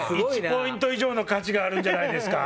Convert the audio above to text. １ポイント以上の価値があるんじゃないですか？